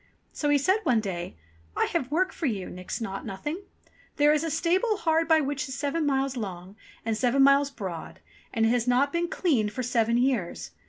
So he said one day, "I have work for you. Nix Naught Nothing ! There is a stable hard by which is seven miles long, and seven miles broad, and it has not been cleaned for seven years.